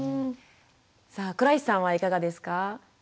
さあ倉石さんはいかがですか？